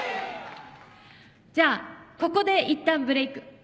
じゃあここでいったんブレイク。